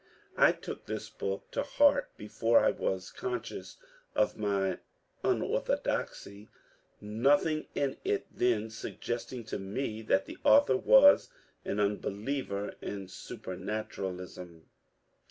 I took this book to heart before I was conscious of my unorthodoxy, nothing in it then suggesting to me that the author was an unbeliever in supematuralism.